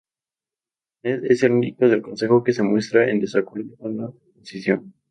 Ned es el único del Consejo que se muestra en desacuerdo con la proposición.